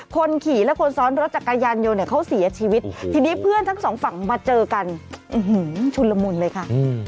คนขี่และคนซ้อนรถจักรยานยนต์เนี่ยเขาเสียชีวิตทีนี้เพื่อนทั้งสองฝั่งมาเจอกันชุนละมุนเลยค่ะ